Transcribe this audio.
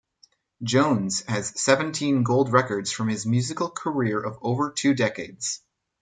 Jones has seventeen gold records from his musical career of over two decades.